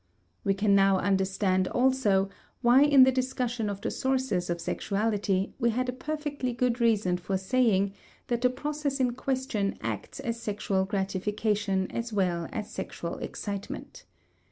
We can now understand also why in the discussion of the sources of sexuality we had a perfectly good reason for saying that the process in question acts as sexual gratification as well as sexual excitement.